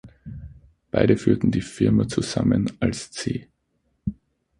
Beide führten die Firma zusammen als ‘C.